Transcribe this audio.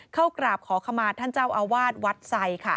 เข้ากราบขอขมาท่านเจ้าอวาสธรรมิใสน์วัดไส่